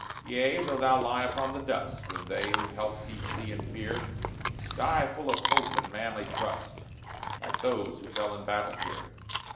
Yea, though thou lie upon the dust, When they who helped thee flee in fear, Die full of hope and manly trust, Like those who fell in battle here!